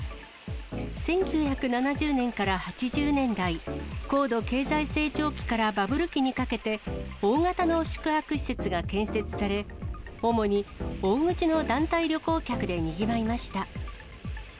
１９７０年から８０年代、高度経済成長期からバブル期にかけて、大型の宿泊施設が建設され、主に大口の団体旅行客でにぎわいました。